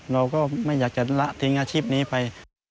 เราก็ไม่อยากจะละทิ้งอาชีพนี้ไป